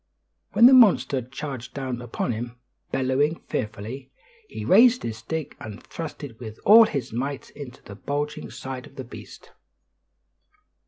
When the monster charged down upon him, bellowing fearfully, he raised his stick and thrust it with all his might into the bulging side of the beast.